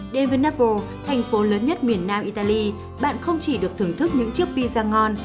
đến với napo thành phố lớn nhất miền nam italy bạn không chỉ được thưởng thức những chiếc piza ngon